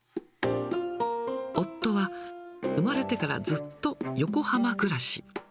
夫は生まれてからずっと横浜暮らし。